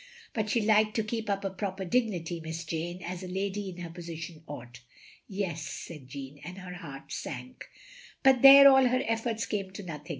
But she liked to keep up a proper dignity, Miss Jane, as a lady in her position ought. *' "Yes," said Jeanne, and her heart sank. "But there, all her efforts came to nothing.